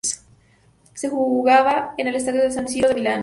Se jugaba en el estadio de San Siro en Milán.